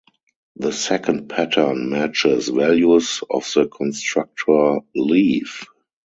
The second pattern matches values of the constructor "Leaf".